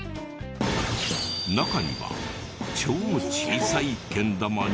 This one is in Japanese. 中には超小さいけん玉に。